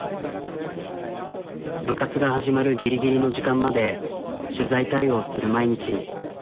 部活が始まるギリギリの時間まで取材対応する毎日。